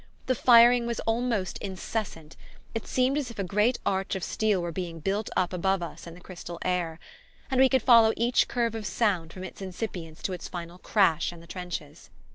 The firing was almost incessant; it seemed as if a great arch of steel were being built up above us in the crystal air. And we could follow each curve of sound from its incipience to its final crash in the trenches.